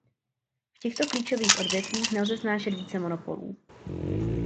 V těchto klíčových odvětvích nelze snášet více monopolů.